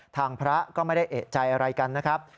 ทางพระก็ไม่ได้เอกใจอะไรกันนะครับ